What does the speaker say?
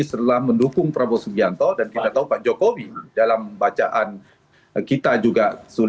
setelah mendukung prabowo subianto dan kita tahu pak jokowi dalam bacaan kita juga